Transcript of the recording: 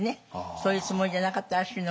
そういうつもりじゃなかったらしいの。